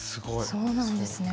そうなんですね